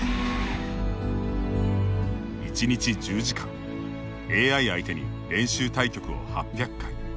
１日１０時間ＡＩ相手に練習対局を８００回。